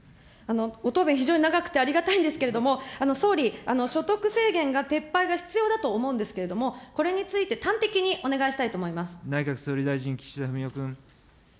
ご答弁、非常に長くてありがたいんですけれども、総理、所得制限が撤廃が必要だと思うんですけれども、これについて、端的に内閣総理大臣、岸田文雄君。